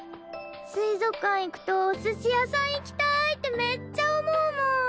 水族館行くとお寿司屋さん行きたいってめっちゃ思うもん。